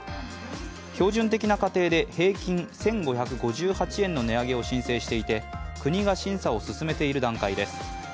標準的な家庭で平均１５５８円の値上げを申請していて国が審査を進めている段階です。